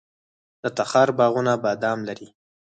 د تخار باغونه بادام لري.